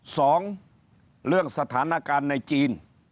สองเรื่องสถานการณ์ในจีน